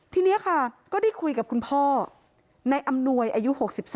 ทีนี้ค่ะก็ได้คุยกับคุณพ่อในอำนวยอายุ๖๓